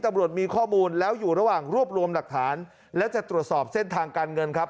ตำรวจมีข้อมูลแล้วอยู่ระหว่างรวบรวมหลักฐานและจะตรวจสอบเส้นทางการเงินครับ